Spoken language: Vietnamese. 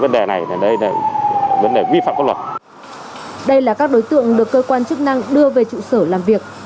đây là các đối tượng được cơ quan chức năng đưa về trụ sở làm việc